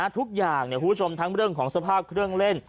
คุณผู้ชมทั้งเรื่องของสภาพเครื่องเล่น